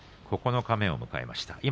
九日目を迎えました。